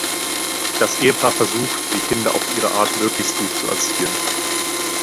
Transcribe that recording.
Das Ehepaar versucht, die Kinder auf ihre Art möglichst gut zu erziehen.